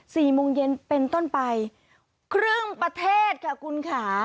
สี่โมงเย็นเป็นต้นไปครึ่งประเทศค่ะคุณค่ะ